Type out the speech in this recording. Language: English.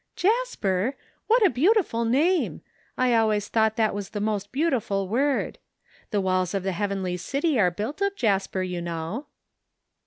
"Jasper! What a beautiful name! I always thought that was the most beautiful word. The walls of the' heavenly city are built of jasper, you know."